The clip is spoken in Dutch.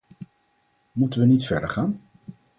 Moeten we niet verder gaan?